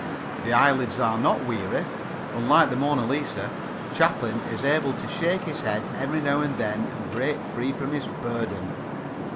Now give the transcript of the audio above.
The eyelids are not weary. Unlike the Mona Lisa, Chaplin is able to shake his head every now and then and break free from his burden.